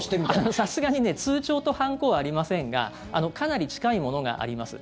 さすがに通帳と判子はありませんがかなり近いものがあります。